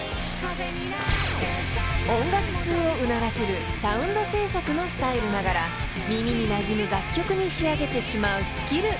［音楽通をうならせるサウンド制作のスタイルながら耳になじむ楽曲に仕上げてしまうスキル］